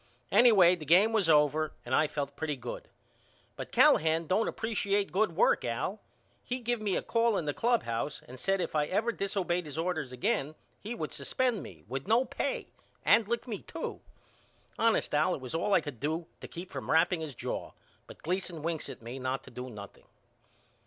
Anyway the game was over and I felt pretty good. But Callahan don't appresiate good work Al. He give me a call in the clubhouse an said if I ever disobeyed his orders again he would suspend me without no pay and lick me too. Honest Al it was all I could do to keep from wrapping his jaw but Gleason winks at me not to do nothing.